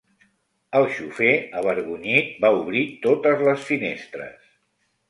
El xofer, avergonyit, va obrir totes les finestres.